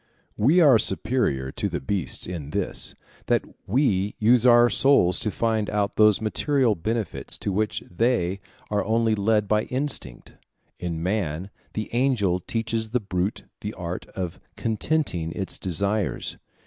We are superior to the beasts in this, that we use our souls to find out those material benefits to which they are only led by instinct. In man, the angel teaches the brute the art of contenting its desires.